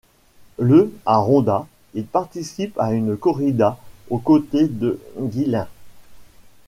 Le à Ronda, il participe à une corrida aux côtés de Guillén.